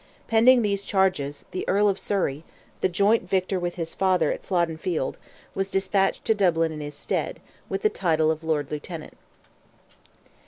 Pending these charges the Earl of Surrey, the joint victor with his father at Flodden field, was despatched to Dublin in his stead, with the title of Lord Lieutenant.